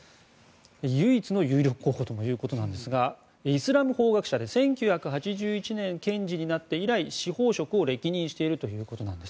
唯一の有力候補ということですがイスラム法学者で１９８１年に検事になって以来司法職を歴任しているということです。